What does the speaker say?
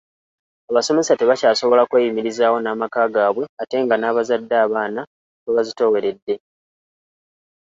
Abasomesa tebakyasobola kweyimirizaawo n’amaka gaabwe ate nga n’abazadde abaana babazitooweredde.